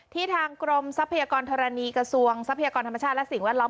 ทางกรมทรัพยากรธรณีกระทรวงทรัพยากรธรรมชาติและสิ่งแวดล้อม